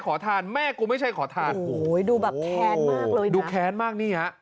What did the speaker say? ขอทานแม่กูไม่ใช่ขอทานโอ้โหดูแบบแค้นมากเลยนะดูแค้นมากนี่ฮะ